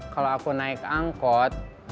kalau aku naik angkot